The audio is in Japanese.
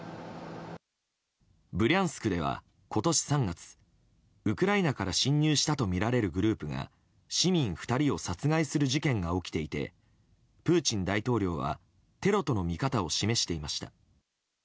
ブリャンスクでは今年３月ウクライナから侵入したとみられるグループが市民２人を殺害する事件が起きていてプーチン大統領はテロとの見方を示していました。